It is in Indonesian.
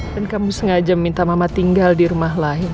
dan kamu sengaja minta mama tinggal di rumah lain